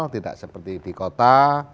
tidak seperti di kota